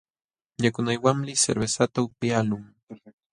Yakunaywanmi cervezata upyaqlun.